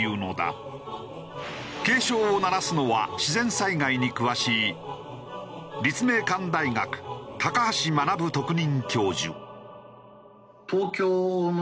警鐘を鳴らすのは自然災害に詳しい立命館大学高橋学特任教授。